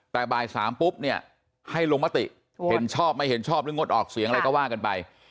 แต่บ่าย๓ปุ๊บเนี่ยให้ลงมติเห็นชอบไม่เห็นชอบหรืองดออกเสียงอะไรก็ว่ากันไป